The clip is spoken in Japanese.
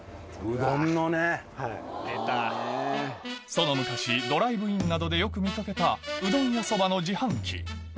その昔ドライブインなどでよく見かけたうどんやそばの自販機